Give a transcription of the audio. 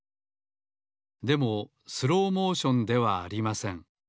でもスローモーションではありません。